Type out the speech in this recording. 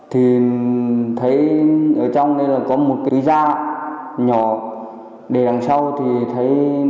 thì thấy ở trong đây là có một cái da nhỏ để đằng sau thì thấy